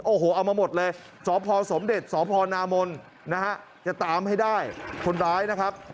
โอ้โหเอามาหมดเลยสพสมเด็จสพนามนนะฮะจะตามให้ได้คนร้ายนะครับ